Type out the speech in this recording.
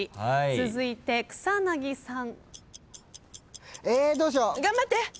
続いて井森さん。